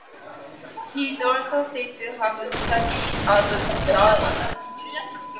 He is also said to have studied at Douay.